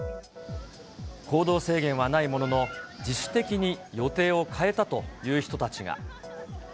行動制限はないものの、自主的に予定を変えたという人たちが。